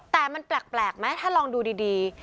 แต่มันแปลกไหมถ้าลองดูดี